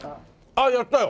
ああやったよ！